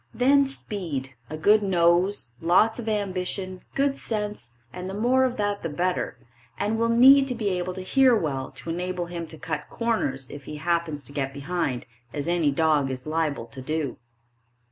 Then speed, a good nose, lots of ambition, good sense and the more of that the better; and will need to be able to hear well to enable him to cut corners if he happens to get behind, as any dog is liable to do.